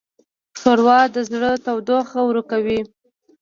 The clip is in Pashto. ښوروا د زړه تودوخه ورکوي.